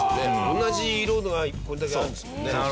同じ色のがこれだけあるんですもんね。